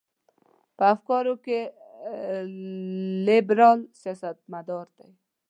په افکارو کې لیبرال سیاستمدار دی.